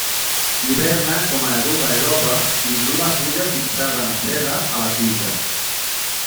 Hiberna com a eruga jove, dins d'una fulla fixada amb seda a la tija.